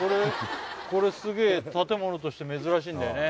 これすげえ建物として珍しいんだよね